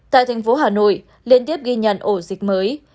tại thành phố hà nội liên tiếp ghi nhận ổ dịch mới